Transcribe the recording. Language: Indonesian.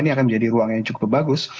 ini akan menjadi ruang yang cukup bagus